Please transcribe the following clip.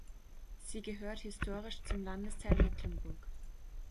Sie gehört historisch zum Landesteil Mecklenburg.